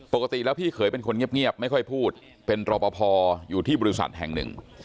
ปกติแล้วพี่เขยเป็นคนเงียบไม่ค่อยพูดเป็นรอปภอยู่ที่บริษัทแห่งหนึ่ง